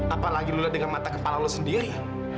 apalagi lo liat dengan mata kepala lo sendiri